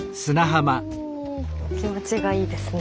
お気持ちがいいですね。